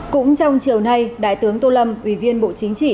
cũng trong chiều nay đại tướng tô lâm ủy viên bộ chính trị